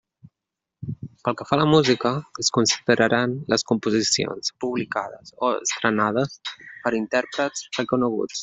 Pel que fa a la música, es consideraran les composicions publicades o estrenades per intèrprets reconeguts.